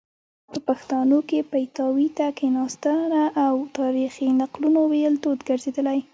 په پښتانو کې پیتاوي ته کیناستنه او تاریخي نقلونو ویل دود ګرځیدلی